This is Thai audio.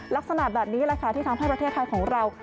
ลักษณะแบบนี้แหละค่ะที่ทำให้ประเทศไทยของเรา